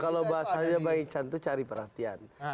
kalau bahasanya bang ican itu cari perhatian